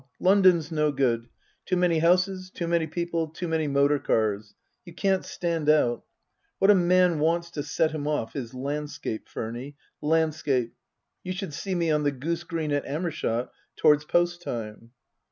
London's no good. Too many houses too many people too many motor cars. You can't stand out. What a man wants to set him off is landscape, Furny, landscape. You should see me on the goose green at Amershott towards post time."